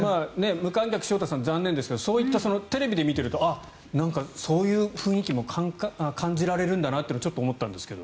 無観客、潮田さん残念ですがテレビで見てるとあっ、そういう雰囲気も感じられるんだなというのはちょっと思ったんですが。